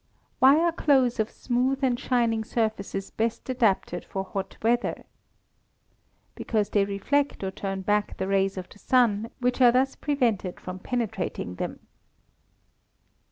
Why are clothes of smooth and shining surfaces best adapted for hot weather? Because they reflect or turn back the rays of the sun, which are thus prevented from penetrating them.